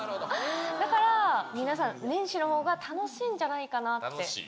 だから皆さん、年始のほうが楽しいんじゃないかなって。